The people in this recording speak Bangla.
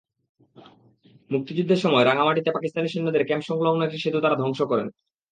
মুক্তিযুদ্ধের সময় রাঙামাটিতে পাকিস্তানি সৈন্যদের ক্যাম্পসংলগ্ন একটি সেতু তাঁরা ধ্বংস করেন।